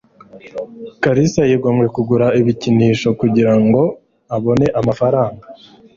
Kalisa Yigomwe kugura ibikinisho kugira ngo abone amafaranga